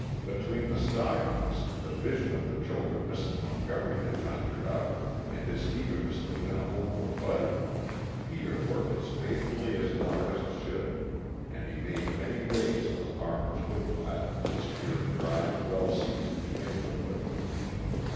Between the stockings, and the vision of the children Mrs. Montgomery had conjured up, and his eagerness to win a home for Buddy, Peter worked as faithfully as an artist should, and he made many raids on the farmer's wood pile to secure dry, well seasoned, maple wood.